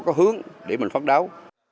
để có một hướng để mình phấn đấu